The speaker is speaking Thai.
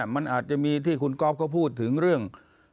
มันอาจจะมีที่คุณก๊อฟเขาพูดถึงเรื่อง